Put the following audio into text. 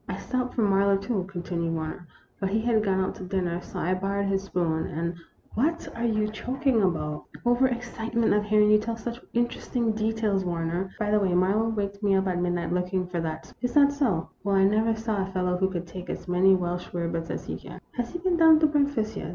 " I stopped for Marlowe, too, " continued War ner, "but he had gone out to dinner, so I bor rowed his spoon, and what are you choking about ?"" Over excitement at hearing you tell such inter esting details, Warner. By the way, Marlowe waked me up at midnight looking for that spoon." " Is that so ?" Well, I never saw a fellow who could take as many Welsh rarebits as he can. Has he been down to breakfast yet?